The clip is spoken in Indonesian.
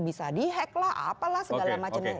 bisa dihack lah apalah segala macamnya